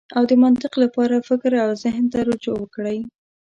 او د منطق لپاره فکر او زهن ته رجوع وکړئ.